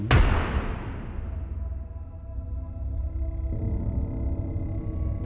มันมีปัญหาฝน